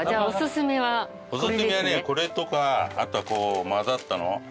おすすめはこれとかあと交ざったの。